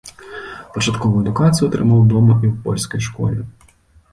Пачатковую адукацыю атрымаў дома і ў польскай школе.